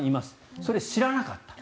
それを知らなかった。